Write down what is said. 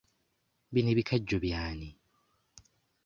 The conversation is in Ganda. Bino ebikajjo by'ani?